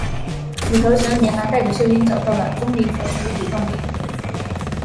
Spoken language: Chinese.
斧头神连忙带着秀英找到了钟离权与吕洞宾。